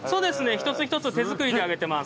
一つ一つ手作りで揚げています。